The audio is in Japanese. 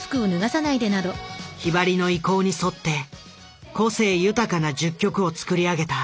ひばりの意向に沿って個性豊かな１０曲を作り上げた。